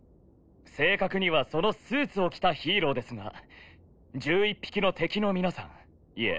正確にはそのスーツを着たヒーローですが１１匹の敵の皆さんいえ